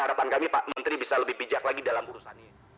harapan kami pak menteri bisa lebih bijak lagi dalam urusan ini